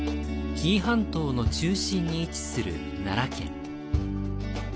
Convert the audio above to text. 紀伊半島の中心に位置する奈良県。